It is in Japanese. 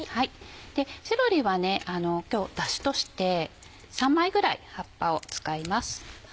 セロリは今日ダシとして３枚ぐらい葉っぱを使います。